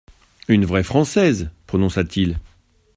«Une vraie Française !» prononça-t-il.